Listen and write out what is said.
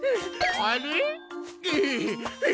あれ！？